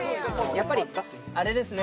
やっぱりあれですね